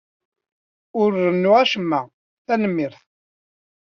Ur rennuɣ acemma, tanemmirt.